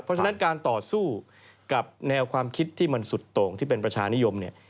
เพราะฉะนั้นการต่อสู้กับแนวความคิดที่มันสุดโต่งที่เป็นประชานิยมเนี่ย